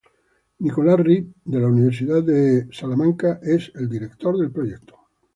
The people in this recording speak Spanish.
Nicholas Reeves de la Universidad de Durham es el director del proyecto.